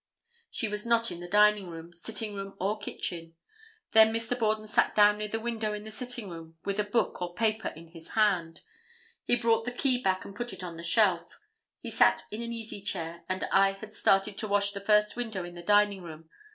She was not in the dining room, sitting room or kitchen. Then Mr. Borden sat down near the window in the sitting room, with a book or paper in his hand. He brought the key back and put it on the shelf. He sat in an easy chair, and I had started to wash the first window in the dining room.